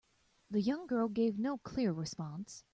The young girl gave no clear response.